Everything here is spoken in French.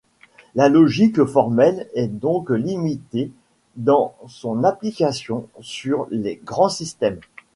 La logique formelle est donc limitée dans son application sur les grands systèmes.